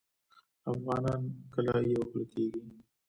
افغانان کله یوه خوله کیږي؟